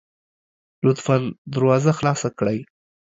لطفا دروازه خلاصه کړئ